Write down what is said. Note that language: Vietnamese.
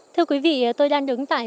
thưa quý vị tôi đang đứng tại